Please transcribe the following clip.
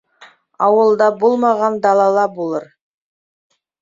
Ауылда булмаған далала булыр.